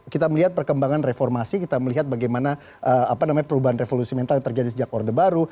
kita melihat perkembangan reformasi kita melihat bagaimana perubahan revolusi mental yang terjadi sejak orde baru